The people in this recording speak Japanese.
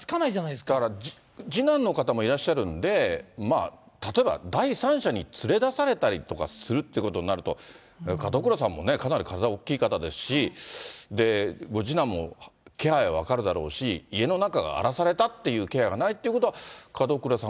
だから次男の方もいらっしゃるんで、まあ、例えば第三者に連れ出されたりとかするっていうことになると、門倉さんもかなり体大きい方ですし、で、ご次男も気配分かるだろうし、家の中が荒らされたっていう気配がないってことは、門倉さん